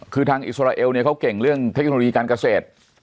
คือทางอิสราเอลเนี่ยเขาเก่งเรื่องเทคโนโลยีการเกษตร